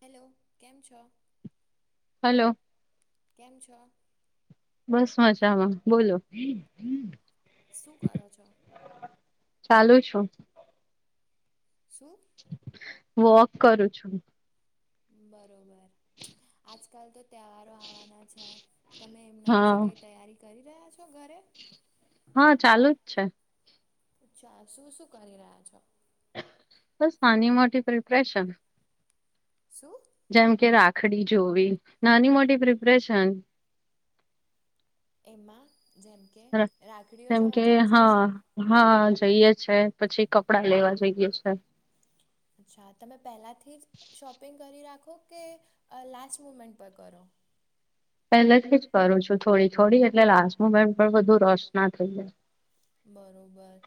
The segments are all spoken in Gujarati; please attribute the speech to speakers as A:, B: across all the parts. A: હેલો કેમ છો
B: હલો
A: કેમ છો
B: બસ મજામાં બોલો
A: શું કરો છો
B: ચાલુ છું
A: શું
B: વોક કરું છું
A: બરોબર આજકાલ તો તહેવારો આવવાના છે તમે એમના વિશે
B: હા
A: કંઈ તૈયારી કરી રહ્યા છો ઘરે
B: હા ચાલુ જ છે
A: અચ્છા શું શું કરી રહ્યા છો
B: બસ નાની મોટી પ્રિપ્રેશન
A: શું
B: જેમ કે રાખડી જોવી નાની મોટી પ્રિપ્રેશન
A: એમાં જેમ કે રાખડીઓ
B: જેમ
A: જોવા
B: કે
A: જાઓ છો
B: હા
A: શોપ
B: હા જઈએ છે પછી કપડાં લેવા જઈએ છે
A: અચ્છા તમે પહેલાંથી જ શોપિંગ કરી રાખો કે લાસ્ટ મુમેન્ટ પર કરો.
B: પહેલેથી જ કરું છું થોડી થોડી એટલે લાસ્ટ મુમેન્ટ પણ બધું રસ ના થઈ જાય.
A: બરોબર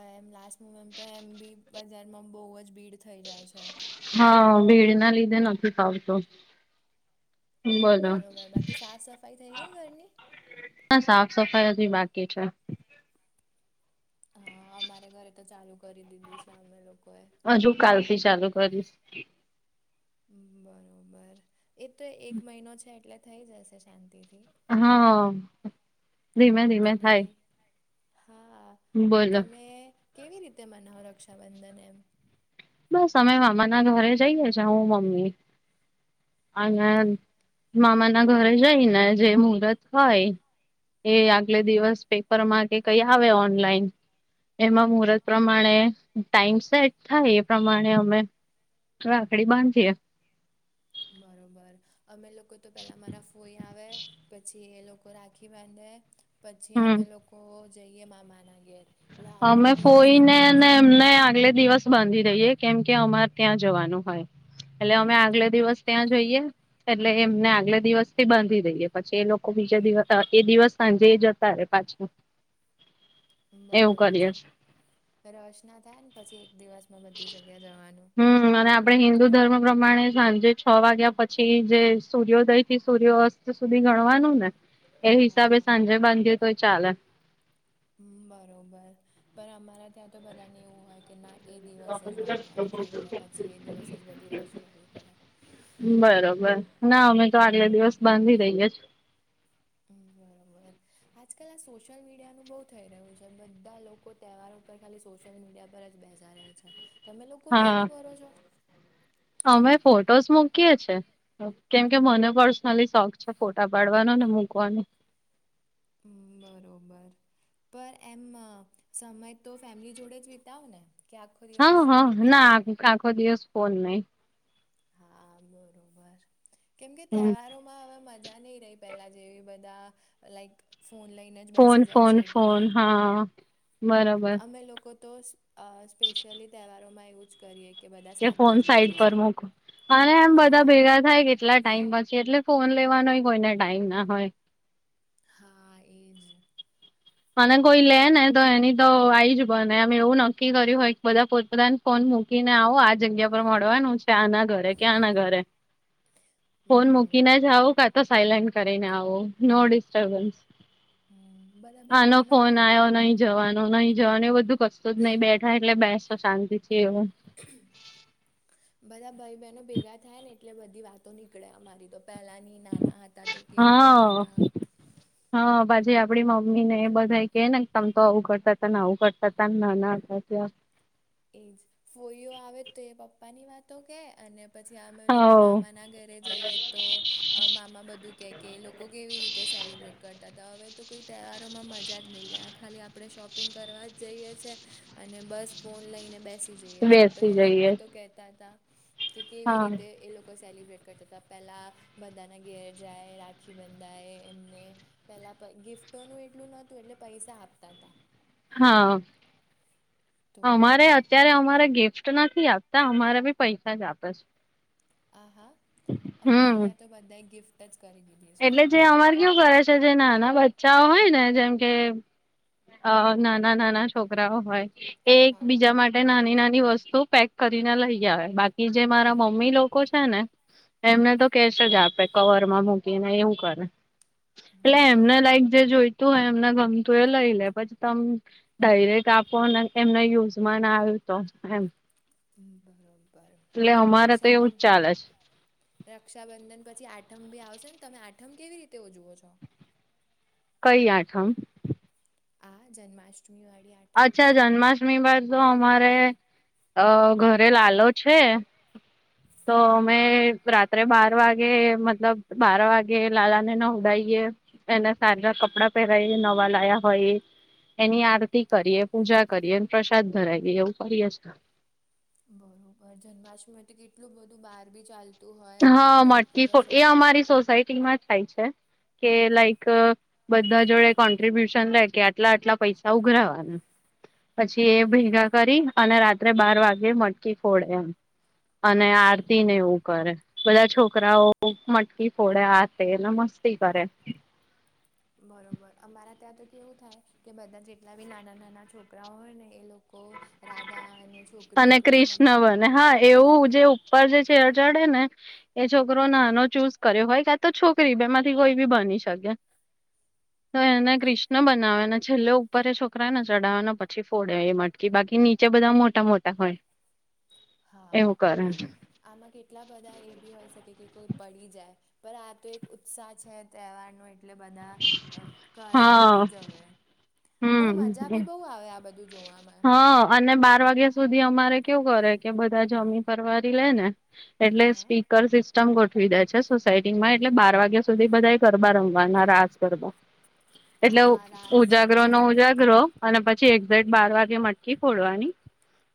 A: એમ લાસ્ટ મુમેન્ટ પણ એમ બી બજારમાં બહુ જ ભીડ થઈ જાય છે
B: હા ભીડ ના લીધે નથી ફાવતું બોલો
A: બરોબર બાકી સાફ સફાઈ થઈ ગઈ ઘરની
B: ના સાફ સફાઈ હજી બાકી છે
A: હા અમારે ઘરે તો ચાલુ કરી દીધી છે અમે લોકોએ
B: હજુ કાલ થી ચાલુ કરીશ
A: બરાબર એ તો એક મહિનો છે એટલે થઈ જશે શાંતિથી
B: હા ધીમે ધીમે
A: અને
B: થાય
A: હા
B: બોલો
A: તમે કેવી રીતે મનાવો રક્ષાબંધન એમ
B: બસ અમે મામા ના ઘરે જઈએ છે હું મમ્મી અને મામા ના ઘરે જઈ ને જે મુહર્ત હોય એ આગલે દિવસ પેપર માં કે કઈ આવે ઓનલાઈન એમાં
A: હમ.
B: મુહર્ત પ્રમાણે ટાઈમ સેટ થાય. પ્રમાણે અમે રાખડી બાંધીએ.
A: બરોબર અમે લોકો તો પેલા મારા ફોઈ આવે પછી એ લોકો રાખી બાંધે પછી
B: હમ
A: અમે લોકો જઈએ મામા ના ઘેર એટલે આખો
B: અમે
A: દિવસ
B: ફોઈને
A: એમમાં જ
B: ને એમને આગલે દિવસ બાંધી દઈએ કેમ કે અમારે ત્યાં જવાનું હોય એટલે અમે આગલે દિવસ ત્યાં જઈએ એટલે એમને આગલે દિવસથી બાંધી દઈ એ પછી એ લોકો બીજા દિવસ એ દિવસ સાંજે જ સાર પાંચમ
A: બરોબર છે રસ ના થાય ને પછી એક દિવસ માં બધી જગ્યા જવાનું
B: હમ અને આપણે હિન્દુ ધર્મ પ્રમાણે સાંજે છ વાગ્યા પછી જે સૂર્યોયોદય થી સૂર્યોસ્ત સુધી ગણવાનું ને એ હિસાબે
A: હા.
B: સાંજે બાંધીએ તો એ ચાલે.
A: હમ્મ બરોબર પણ અમારા ત્યાં તો બધાને એવું હોય કે ના એ દિવસે જ બાંધવાનું છે એટલે પછી એ દિવસે જ બધી રસ કરવી પડે.
B: બરોબર ના અમે તો
A: આ
B: આગલા દિવસ બાંધી દઈએ જ
A: હમ્મ બરોબર આજ કલ આ સોશિયલ મીડિયાનું બહુ થઈ રહ્યું છે બધ્ધા લોકો તહેવારો ખાલી સોશિયલ મીડિયા પર જ બેસા રહે છે તમે લોકો ભી
B: હા
A: આવું કરો છો?
B: અમે ફોટોઝ મૂકીએ છે. કેમ કે મને પર્સનલી શોખ છે ફોટા પાડવાનો ને મૂકવાનો.
A: હમ્મ બરોબર પર એમ સમય તો ફેમિલી જોડે જ વિતાવ ને કે આખો
B: હા હ
A: દિવસ
B: હા ના આખ-આખો દિવસ કોન નહી.
A: હા બરોબર કેમ કે
B: હમ
A: તહેવારો મા હવે મજા નહી રહી પેલા જેવી બધા લાઈક ફોન લઈ ને જ
B: ફોન
A: બેસી જાય છે
B: ફોન
A: એટલે
B: ફોન હા બરોબર
A: અમે લોકો તો અ સ્પેશિયલી તહેવારોમાં એવુજ કરીએ કે બધા સાથે
B: ફોન
A: જ
B: સાઈટ
A: બેસીએ
B: પર
A: સા
B: મૂક અને એમ બધા
A: હા.
B: ભેગા થાય કેટલા ટાઈમ પછી એટલે ફોન લેવાનોય કોઈને ટાઈમ ના હોય.
A: હા એજ.
B: મને કોઈ લે ને તો એની તો આઈ જ બને એ એવું નક્કી કર્યું હોય બધા પોતપાન ફોન મૂકીને આવો આ જગ્યા પર મળવાનું છે આના ઘરે ક્યાં ના ઘરે ફોન
A: બરોબર.
B: મૂકીને જાવ કાત તો સાયલેન્ટ કરીને આવો નો
A: હા
B: ડિસ્ટર્બન્સ
A: હમ બધા ભાઈ
B: આનો
A: બહેનો
B: ફોન આયો ને અહીં જવાનુ ને અહીં જવાનું એ બધું કશ તો જ નહી બેઠા એટલે બેસ તો શાંતિ છે એવુ.
A: [inaudible] બધા ભાઈ બહેનો ભેગા થયા ને એટલે બધી વાતો નીકળે અમારી તો પહેલાની નાના હતા તો કેવું
B: હા
A: કરતાતા
B: હા પછી આપડી મમ્મી ને બધા કે ને તમ તો આવું કરતા તન આવું કરતાન નાના હતા ત્યાર
A: એજ ફોઈઓ આવે તો એ પપ્પાની વાતો કે અને પછી અમે
B: હ
A: લોકો મામાના ઘરે જઈએ તો અ મામા બધું કહે કે લોકો કેવી રીતે સેલિબ્રેટ કરતા હતા હવે તો કોઈ તહેવારોમાં મજા જ નહીં રહે આ ખાલી આપણે શોપિંગ કરવા જ જઈએ છેએ અને બસ ફોન લઈને બેસી જઈએ છે પણ
B: બેસી
A: એ લોકો
B: જઈએ
A: તો કેહેતા હતા કે કેવી
B: હા
A: રીતે એ લોકો સેલિબ્રેટ કરતા તા પહેલાં બધાના ઘેર જાએ રાખી બંધાએ એમને પેલા ગિફ્ટોનું એટલું નોતું એટલે પૈસા આપતા હતા
B: હા
A: તો
B: અમારે અત્યારે અમારે ગિફ્ટ નથી આપતા અમારે બી પૈસા જ આપે છે
A: આહા અમારા
B: હમ
A: ત્યાં તો બધાએ ગિફ્ટ જ કરી દીધી છે
B: એટલે જે અમાર કેવું કરે છે જે નાના બચ્ચાઓ હોય ને જેમ કે અ નાના નાના છોકરાઓ હોય એ એક
A: હા
B: બીજા માટે નાની નાની વસ્તુ પેક કરીને લઈ આવે બાકી જે મારા મમ્મ અમ્મી લોકો છે ને એમને તો કેસ જ આપે કવરમાં મૂકીને એવું કરે એટલે
A: હમ,
B: એમને
A: બરોબર
B: લાઈક જે જોઈતું હોય એમને ગમતું એ લઈ લે પછી તમ ડાયરેક્ટ આપો એમને યુઝમાં ના આવ્યું તો એમ
A: બરોબર
B: એટલે અમારે તો એવું જ
A: રક્ષાબંધ
B: ચાલે છે
A: રક્ષાબંધન પછી આઠમ ભી આવશે ને તમે આઠમ કેવી રીતે ઉજવો છો
B: કઈ આઠમ
A: આ જન્માષ્ટમી વાળી આ
B: અચ્છા જન્માષ્ટમી બાદ તો અમારે અ ઘરે લાલો છે તો અમે
A: હમ.
B: રાત્રે બાર વાગે મતલબ બાર વાગે લાલા ને ન ઉડાાવએ એને સાા કપડા પેગ નવા લાયા હોય એની આરતી કરીએ પૂજા કરીએ પ્રસાદ ધરાવીએ એવું કરીએે
A: બરોબર જન્માષ્ટમી તો કેટલું બધું બહાર બી ચાલતું હોય બધા
B: હા મટકી
A: મટકીઓ
B: એ
A: સજા
B: અમારી સોસાયટીમાં થાય છે કે લાઈક બધા જોડે કોન્ટ્રિબ્યુશન લે કે આટલા આટલા પૈસા ઉઘરાવાના. પછી એ
A: હમ
B: ભેગા કરી અને રાત્રે બાર વાગે મટકી ફોડે એમ. અને
A: હમ
B: આરતીને એવું કરે બધા છો કરાઓ મટકી ફોડે આતેને મસ્તી કરે.
A: બરોબર અમારા ત્યાં તો કેવું થાય કે બધા જેટલા બી નાના નાના છોકરાઓ હોય ને એ લોકો રાધા અને છોકરીઓ
B: અને
A: કૃષ્ણ
B: ક્રિષ્ણ બને હા એવું જે ઉપર જે છેે ચડે ને એ છોકરો નાનો ચૂઝ કર્યો હોય કા તો છોકરી બેમાંથી કોઈ બી બની શકે. તો એને કૃષ્ણ બનાવે અને છેલ્લો ઉપરે છોકરાને ચડાવેને પછી ફોડે એ મટકી બાકી નીચે બધા મોટા મોટા હોય.
A: હા
B: એવું કરે
A: પણ આમાં કેટલા બધા એ બી હોય શકે કે કોઈ પડી જાય. પણ આ તો એક ઉત્સાહ છે તહેવારનો એટલે બધા કરે એમ
B: હા
A: ઉજવે પણ મજા ભી બહુ આવે આ બધું જોવા માં
B: હ અને બાર વાગ્યા સુધી અમારે કેવું કરે કે બધા જમી પરવારી લે ને એટલે
A: હા
B: સ્પીકર સિસ્ટમ ગોઠવી દે છે સોસાયટી માં એટલે બાર વાગે સુધી બધાએ ગરબા રમવાના રાસ ગરબા એટલે
A: હા રાસ
B: ઉજાગરો
A: બી
B: નો ઉજાગરો અને પછી એક ઝેટ બાર વાગે મટકી ખોડવાની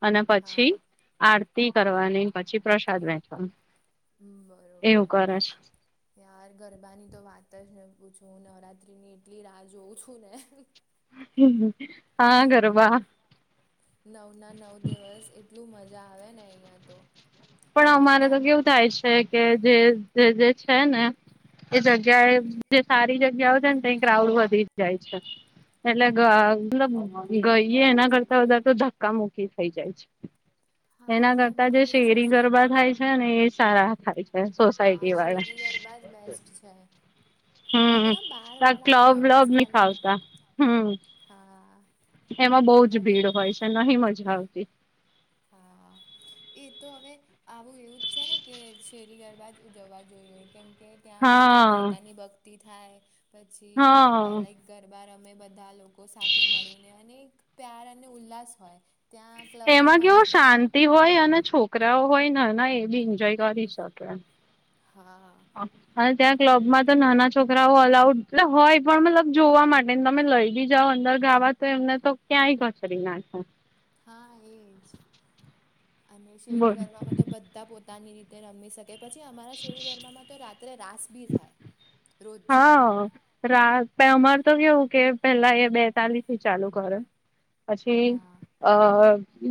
B: અને પછી
A: હા
B: આરતી કરવાની પછી પ્રસાદ વેચવાનું.
A: બરોબર. યાર ગરબાની તો વાત જ ને પૂછું નવરાત્રિની એટલી રાહ જોઉં છું ને
B: હા ગરબા
A: નવના નવ દિવસ એટલું મજા આવે ને અહીંયા તો
B: પણ
A: તમારા
B: અમારે તો
A: ત્યાં
B: કેવું થાય છે કે
A: હમ
B: જે છે ને એ જગ્યા એ
A: હમ
B: જે સારી જગ્યાઓ છે ને તઈ ક્રાઉડ વધી જ જાય છે એટલે મતલબ ગઈએ એના કરતા વધારે તો ધક્કા મુૂકી થઇ જાય છે.
A: હા એ
B: એના
A: તો
B: કરતા
A: હમણાં
B: જે
A: અમે તો
B: શેરી ગરબા
A: સોસાયટીમાં
B: થાય ને એ સારા થાય છે.
A: હા
B: સોસાયટી
A: શેરી
B: વાળા
A: ગરબા જ બેસ્ટ છે.
B: હમ
A: હમણાં બહાર વાળા હોય
B: ક્લબ
A: તો બસ
B: વ્લબ નહી
A: ખાલી
B: ફાવતા હમ
A: હા
B: એમાં બઉુ જ
A: બાકી
B: ભીડ હોય છે નહી મજા આવતી.
A: હા એ તો હવે આવું એવું જ છે ને કે શેરીગરબાજ ઉજવવા જોઈએ કેમ કે ત્યાં બધું
B: હા
A: માતાની ભક્તિ થાય પછી
B: હા
A: લાાઈક ગરબા રમે બધા લોકો સાથે મળીને અને એક પ્યાર અને ઉલ્લાસ હોય ત્યાં
B: એમાં
A: ક્લબોમાં તો
B: કેવું
A: કઈ
B: શાંતિ હોય અને છોકરાઓ હોય ને એ બી એન્જોય કરી શકે.
A: હા
B: અને ત્યાં ક્લબમાં તો નાના છોકરાઓ અલાઉડ એટલે હોય પણ મતલબ જોવા માટે તમે લઈ બી જાઓ અંદર ગાવા તો એમને તો ક્યાંય ખચડી નાખે
A: હા એજ અને શેરી
B: બોલ.
A: ગરબામાં તો બધા પોતા પોતાની રીતે રમી શકે પછી અમારા શેર ગરબામાં તો રાત્રે રાસ બી થાય. રોજે
B: હા રા અમાર તો કેવું કે પેલા એ બેતાલી થી ચાલુ કરે. પછી
A: હા
B: અ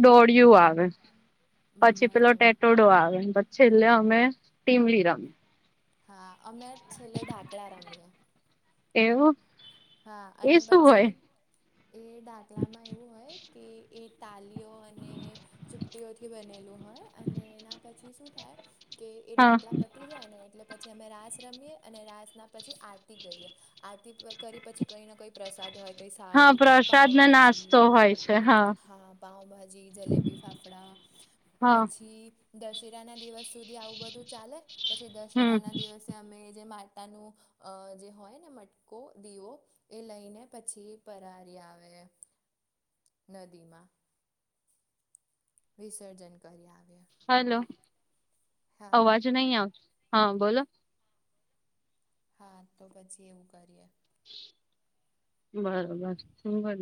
B: દોળિયું આવે. પછી પેલો
A: બરોબર
B: ટેટોડો આવેને પછી છેલ્લે અમે ટીમલી ર
A: હા અમે છેલ્લે ઢાંકલા રમીએ
B: એવું
A: હા
B: એ
A: અને
B: શું
A: પછી
B: હોય
A: એ ડાકલામાં એવું હોય કે એ તાલીઓ અને ચૂપટીઓથી બનેલું હોય અને એના પછી શું થાય કે એ
B: હા.
A: ડાકલા પતી જાય ને એટલે પછી અમે રાસ રમીએ અને રાસના પછી આરતી કરીએ આરતી કરી પછી કંઈને કંઈ પ્રસાદ હોય કઈ
B: હા
A: સારું
B: પ્રસાદ ને નાસ્તો
A: પાઉભાજી
B: હોય છે
A: હા પાઉભાજી જલેબી ફાફડા
B: હા
A: પછી દશેરા ના દિવસ સુધી આવું બધું ચાલે પછી દશેરા
B: હમ
A: ના દિવસ તે અમે જે માટનું જે હોય ને મટકો દીવો એ લઈને પછી પહારી આવે નદીમાં વિસર્જન કરી આવ્યા
B: હલો
A: હા
B: અવાજ નહી આવતો હા બોલો
A: હા તો પછી એવું કરીએ
B: બરોબર સંભર